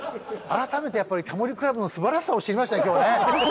改めてやっぱり『タモリ倶楽部』の素晴らしさを知りましたね今日ね。